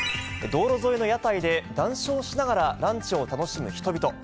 道路沿いの屋台で、談笑しながらランチを楽しむ人々。